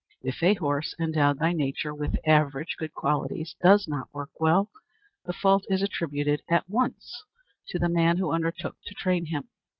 If a horse, endowed by nature with average good qualities, does not work well, the fault is attributed at once to the man who undertook to train him.